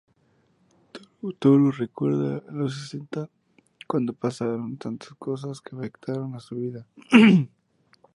Toru recuerda los sesenta, cuando pasaron tantas cosas que afectaron a su vida.